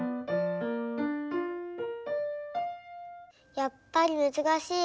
やっぱりむずかしい。